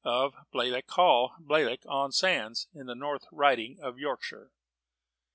of Bleakirk Hall, Bleakirk on Sands, in the North Riding of Yorkshire_.